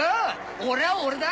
俺は俺だ！